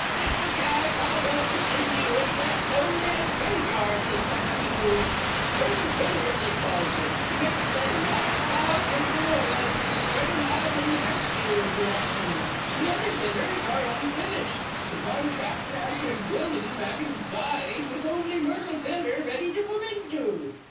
"Mr. Cass, I won't deceive you. It's that lonely as graveyards is company to it. Myrtle Viller they calls it, and it's the larst 'ouse of the row as is spreading out in the brickfield direction. The other villers are unfinished, the contractor as was building them 'aving died with only Myrtle Viller ready to move into.